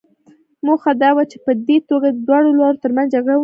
موخه دا وه چې په دې توګه د دواړو لورو ترمنځ جګړه ونه شي.